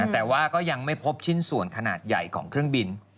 แต่ว่าก็ยังไม่พบชิ้นส่วนขนาดใหญ่ของเครื่องบิน